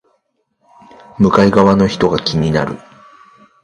向かい側の人が気になる